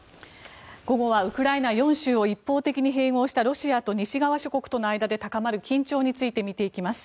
午後はウクライナ４州を一方的に併合したロシアと西側諸国との間で高まる緊張について見ていきます。